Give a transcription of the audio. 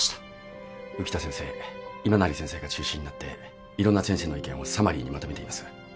浮田先生今成先生が中心になっていろんな先生の意見をサマリーにまとめています。